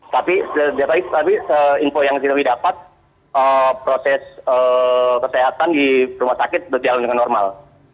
tapi info yang kita dapat proses kesehatan di rumah sakit berjalan dengan normal